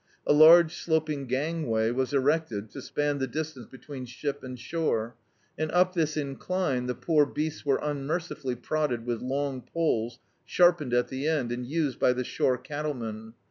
A laige sloping gangway was erected to span the distance between ship and shore, and up this incline the poor beasts were unmercifully prod ded with long poles, sharpened at the end, and used by the shore cattlemen.